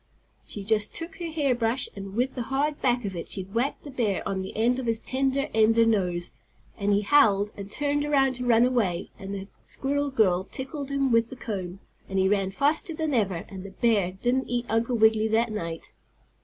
She just took her hair brush and with the hard back of it she whacked the bear on the end of his tender ender nose, and he howled, and turned around to run away, and the squirrel girl tickled him with the comb, and he ran faster than ever, and the bear didn't eat Uncle Wiggily that night.